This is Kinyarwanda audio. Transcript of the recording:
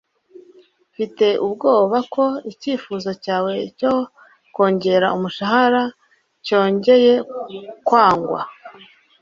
Mfite ubwoba ko icyifuzo cyawe cyo kongera umushahara cyongeye kwangwa